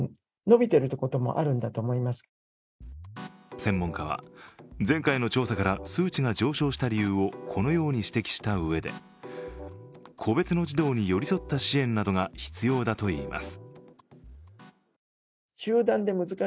専門家は、前回の調査から数値が上昇した理由をこのように指摘したうえで個別の児童に寄り添った支援などが必要だといいます。